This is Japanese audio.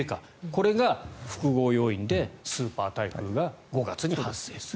これが複合要因でスーパー台風が５月に発生すると。